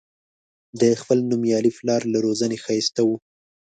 د خپل نومیالي پلار له روزنې ښایسته و.